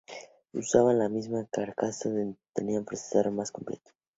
Usaban la misma carcasa pero tenían un procesador más completo.